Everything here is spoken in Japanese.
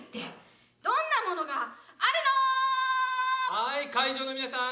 はい会場の皆さん